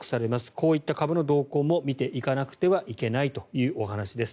こういった株の動向も見ていかなくてはいけないというお話です。